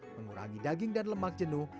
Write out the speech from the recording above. mengurangi daging dan lemak jenuh